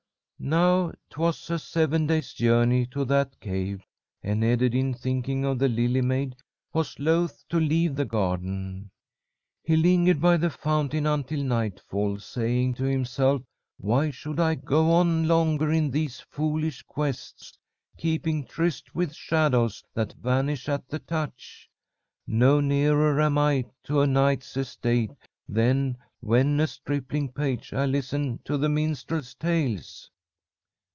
"Now 'twas a seven days' journey to that cave, and Ederyn, thinking of the lily maid, was loath to leave the garden. He lingered by the fountain until nightfall, saying to himself: 'Why should I go on longer in these foolish quests, keeping tryst with shadows that vanish at the touch? No nearer am I to a knight's estate than, when a stripling page, I listened to the minstrel's tales.'